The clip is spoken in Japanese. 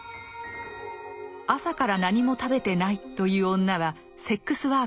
朝から何も食べてないという女はセックスワーカーでした。